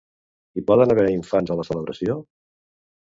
Hi poden haver infants a la celebració?